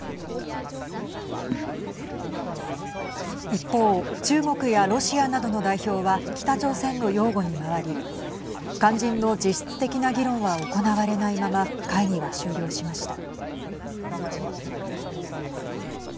一方中国やロシアなどの代表は北朝鮮の擁護に回り肝心の実質的な議論は行われないまま会議は終了しました。